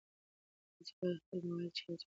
تاسي باید خپل موبایل چارج کړئ.